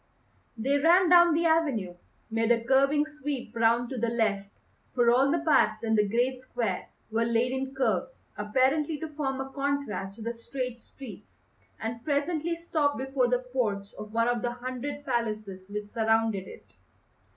They ran down the avenue, made a curving sweep round to the left for all the paths in the great square were laid in curves, apparently to form a contrast to the straight streets and presently stopped before the porch of one of the hundred palaces which surrounded it.